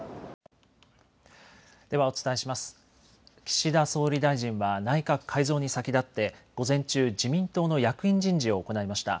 岸田総理大臣は内閣改造に先立って午前中、自民党の役員人事を行いました。